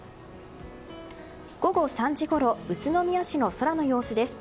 午後３時ごろ宇都宮市の空の様子です。